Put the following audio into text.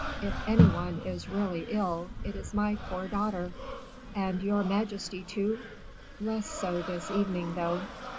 If any one is really ill, it is my poor daughter." "And your majesty, too." "Less so this evening, though."